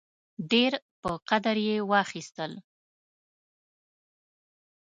ډېر په قدر یې واخیستل.